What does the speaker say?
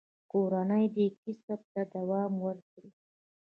کورنۍ دې کسب ته دوام ورکړ.